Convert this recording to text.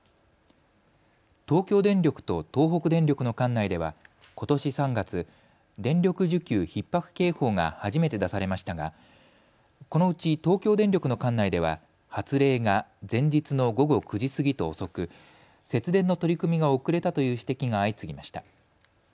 東京電力と東北電力の管内ではことし３月、電力需給ひっ迫警報が初めて出されましたがこのうち東京電力の管内では発令が前日の午後９時過ぎと遅く節電の取り組みが遅れたという指摘が相次ぎました。